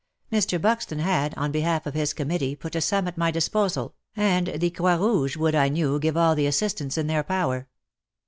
Mr. Buxton had, on behalf of his committee, put a sum at my disposal, and the Croix Rouge would, I knew, give all the assistance in their power.